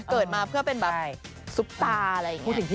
เกิดมาเพื่อเป็นแบบซุปตาอะไรอย่างนี้